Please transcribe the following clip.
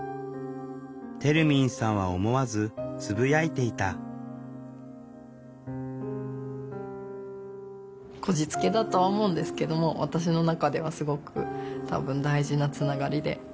てるみんさんは思わずつぶやいていたこじつけだとは思うんですけども私の中ではすごく多分大事なつながりで。